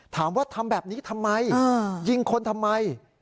ถามว่าทำแบบนี้ทำไมยิงคนทำไม